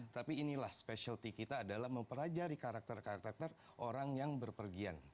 tapi inilah specialty kita adalah mempelajari karakter karakter orang yang berpergian